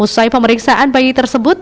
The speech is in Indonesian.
usai pemeriksaan bayi tersebut